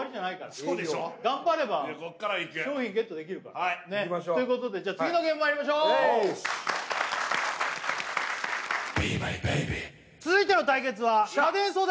そうでしょ頑張れば商品ＧＥＴできるからねっこっからいくはいということでじゃ次のゲームまいりましょう続いての対決は家電争奪！